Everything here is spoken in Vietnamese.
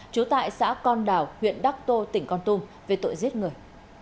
trú tại xã con đảo huyện đắc tô tỉnh con tum về tội giết người